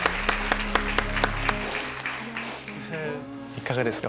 いかがですか？